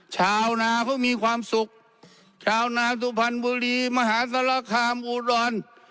ชาวนาเขามีความสุขชาวนาสุพรรณบุรีมหาศาลคามอุดร